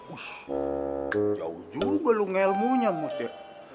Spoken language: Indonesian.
ush jauh juga lu ngelmunya must ya